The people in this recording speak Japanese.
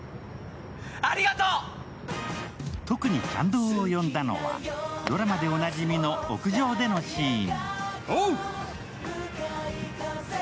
特に感動を呼んだのはドラマでおなじみの屋上でのシーン。